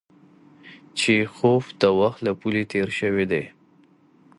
چیخوف د وخت له پولې تېر شوی دی.